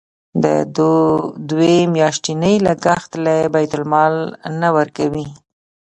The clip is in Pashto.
د دوی میاشتنی لګښت له بیت المال نه ورکوئ.